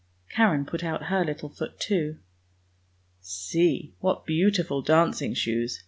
Karen put out her little foot too. " See, what beautiful dancing shoes!